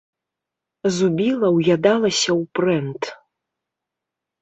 Зубіла ўядалася ў прэнт.